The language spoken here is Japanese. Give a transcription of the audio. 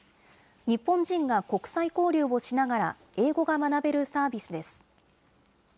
日本人が国際交流をしながら、英語が学べるサービスです。